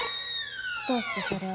どうしてそれを？